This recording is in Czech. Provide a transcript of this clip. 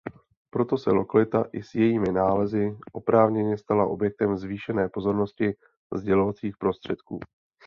Proto se lokalita i s jejími nálezy oprávněně stala objektem zvýšené pozornosti sdělovacích prostředků.